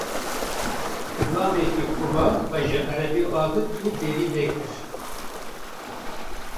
Xulamekî kubar xwe ji erebê avêt û derî vekir.